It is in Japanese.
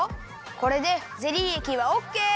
これでゼリーえきはオッケー！